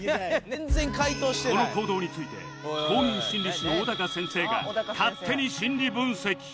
この行動について公認心理師の小高先生が勝手に心理分析